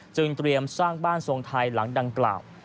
เตรียมสร้างบ้านทรงไทยหลังดังกล่าว